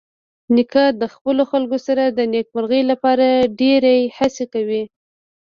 نیکه د خپلو خلکو سره د نیکمرغۍ لپاره ډېرې هڅې کوي.